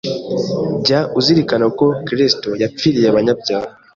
jya uzirikana ko Kristo yap riye abanyabyaha